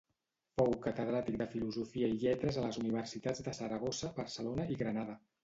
Fou catedràtic de filosofia i lletres a les universitats de Saragossa, Barcelona i Granada.